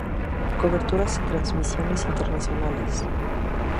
Coberturas y transmisiones Internacionales.